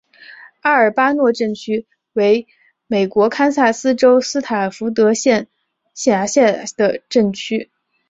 阿尔巴诺镇区为美国堪萨斯州斯塔福德县辖下的镇区。